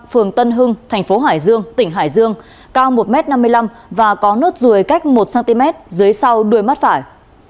phường tân hưng thành phố hải dương tỉnh hải dương cao một m năm mươi năm và có nốt ruồi cách một cm dưới sau đuôi mắt phải